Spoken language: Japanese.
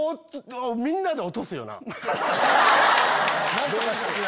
何とかして！